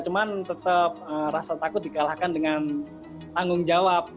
cuman tetap rasa takut dikalahkan dengan tanggung jawab